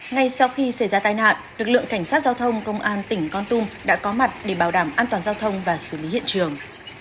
ngay sau khi xảy ra tai nạn lực lượng cảnh sát giao thông công an tỉnh con tum đã có mặt để bảo đảm an toàn giao thông và xử lý hiện trường